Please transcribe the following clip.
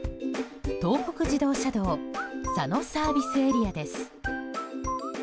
東北自動車道佐野ＳＡです。